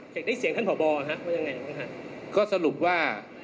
อยากได้เสียงท่านผอบอฮะว่ายังไงไหมฮะก็สรุปว่า